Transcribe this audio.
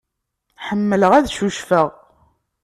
Ḥemmleɣ ad cucfeɣ.